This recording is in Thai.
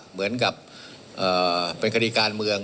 เหมือนกับเป็นคดีการเมือง